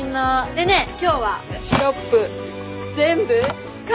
でね今日はシロップ全部かけ放題！